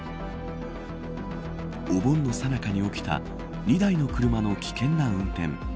お盆のさなかに起きた２台の車の危険な運転。